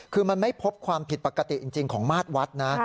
คือมันไม่พบความผิดปกติจริงของมาตรวัดนะ